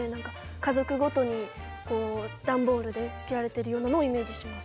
家族ごとに段ボールで仕切られてるようなのをイメージします。